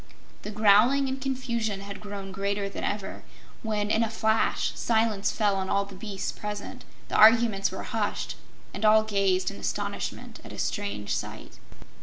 The growling and confusion had grown greater than ever when in a flash silence fell on all the beasts present, the arguments were hushed, and all gazed in astonishment at a strange sight.